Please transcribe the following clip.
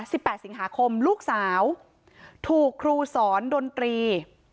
แปดสิงหาคมลูกสาวถูกครูสอนดนตรี